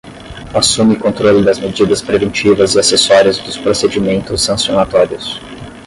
Assume o controle das medidas preventivas e acessórias dos procedimentos sancionatórios.